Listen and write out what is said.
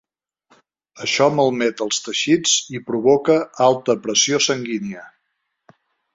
Això malmet els teixits i provoca alta pressió sanguínia.